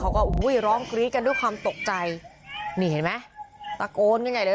อุ้ยร้องกรี๊ดกันด้วยความตกใจนี่เห็นไหมตะโกนกันใหญ่เลย